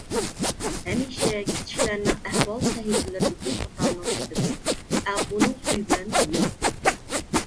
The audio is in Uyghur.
ھەمىشە كىچىكلەرنىڭ ئەھۋال سەھىپىلىرىدىكى خاتانىڭ خېتىنى ئەپۇنىڭ سۈيى بىلەن يۇيار.